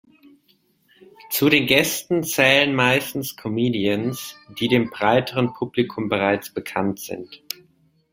Zu den Gästen zählen meistens Comedians, die dem breiteren Publikum bereits bekannt sind.